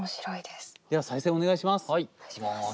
では再生お願いします。